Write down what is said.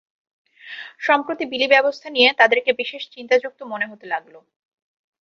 সম্পত্তির বিলি-ব্যবস্থা নিয়ে তাদেরকে বিশেষ চিন্তাযুক্ত মনে হতে লাগল।